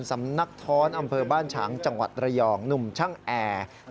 สำนักท้อนอำเภอบ้านฉางจังหวัดระยองหนุ่มช่างแอร์